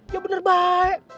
ya bener baik